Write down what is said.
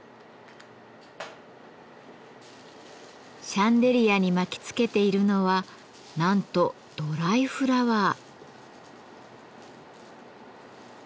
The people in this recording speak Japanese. シャンデリアに巻きつけているのはなんとドライフラワー。